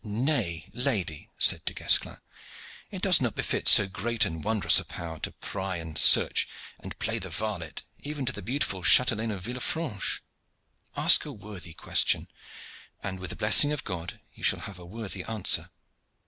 "Nay, lady," said du Guesclin, "it does not befit so great and wondrous a power to pry and search and play the varlet even to the beautiful chatelaine of Villefranche. Ask a worthy question, and, with the blessing of God, you shall have a worthy answer."